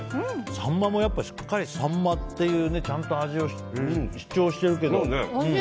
サンマもしっかりサンマっていうちゃんと味を主張してるけど。